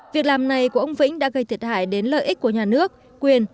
việc làm này của ông vĩnh đã gây thiệt hại đến lợi ích của nhà nước quyền